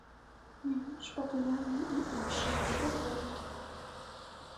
Не менш папулярныя і іншыя яго ролікі.